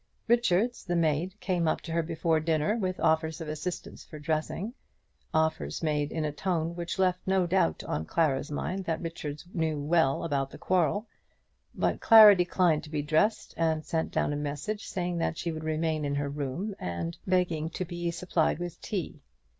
Richards, the maid, came up to her before dinner, with offers of assistance for dressing, offers made in a tone which left no doubt on Clara's mind that Richards knew all about the quarrel. But Clara declined to be dressed, and sent down a message saying that she would remain in her room, and begging to be supplied with tea.